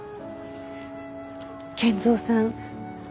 賢三さん